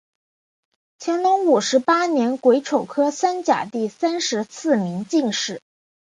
乾隆五十八年癸丑科三甲第三十四名进士。